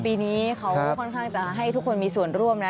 ปีนี้เขาค่อนข้างจะให้ทุกคนมีส่วนร่วมนะ